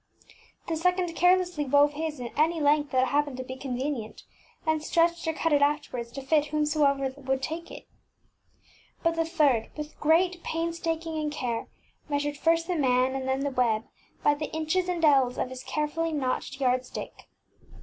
The second carelessly wove his any length that happened to be convenient, and stretched or cut it after ward to fit whomsoever would take it. But the third, with great pains taking and care, meas ured first the man and W&t ^Lfitet Sflltabtrs then the web by the inches and ells of his carefully notched yard stick.